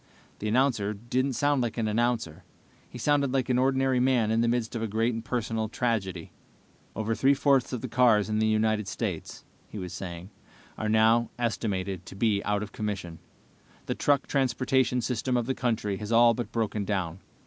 The announcer didn't sound like an announcer. He sounded like an ordinary man in the midst of a great and personal tragedy. "Over three fourths of the cars in the United States," he was saying, "are now estimated to be out of commission. The truck transportation system of the country has all but broken down.